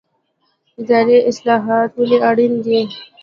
اداري اصلاحات ولې اړین دي؟